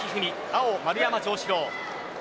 青、丸山城志郎。